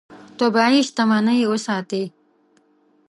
طبیعي شتمنۍ وساتې.